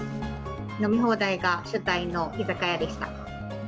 飲み放題が主体の居酒屋でし